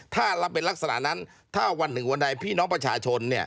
ถ้าเราเป็นลักษณะนั้นถ้าวันหนึ่งวันใดพี่น้องประชาชน